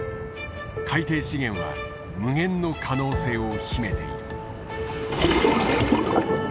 海底資源は無限の可能性を秘めている。